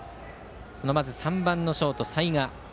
まずは３番のショート、齊賀。